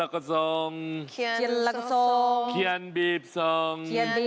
คาถาที่สำหรับคุณ